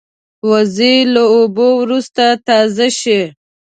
وزې له اوبو وروسته تازه شي